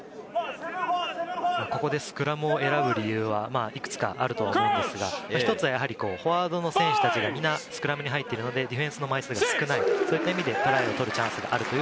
ここでスクラムを選ぶ理由はいくつかあると思うんですが、一つは、やはりフォワードの選手たちがみんなスクラムに入ってるので、ディフェンスの枚数が少ない、そういった意味で取るチャンスがある。